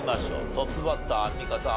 トップバッターアンミカさん